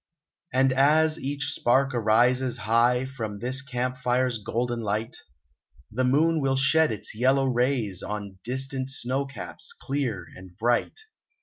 And as each spark arises high From this camp fire's golden light, The moon will shed its yellow rays On distant snow caps clear and bright.